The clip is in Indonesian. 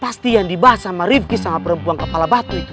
pasti yang dibahas sama rifki sama perempuan kepala batu itu